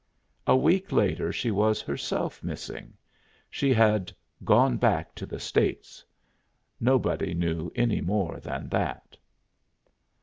A week later she was herself missing: she had "gone back to the States" nobody knew any more than that.